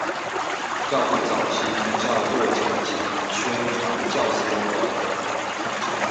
教父早期宗教作家及宣教师的统称。